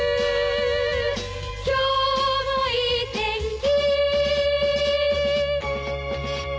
「今日もいい天気」